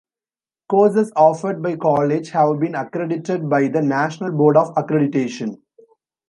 Courses offered by college have been accredited by the National Board of Accreditation.